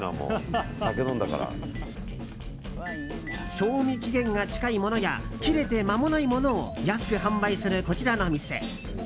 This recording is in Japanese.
賞味期限が近いものや切れて、まもないものを安く販売するこちらの店。